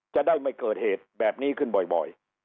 จะได้ไม่เกิดเหตุแบบนี้ขึ้นบ่อย